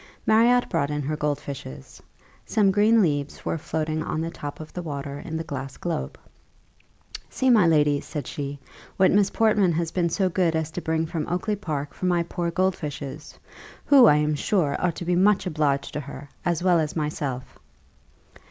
Marriott brought in her gold fishes; some green leaves were floating on the top of the water in the glass globe. "See, my lady," said she, "what Miss Portman has been so good as to bring from Oakly park for my poor gold fishes, who, I am sure, ought to be much obliged to her, as well as myself."